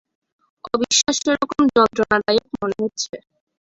অবিশ্বাস্যরকম যন্ত্রণাদায়ক মনে হচ্ছে।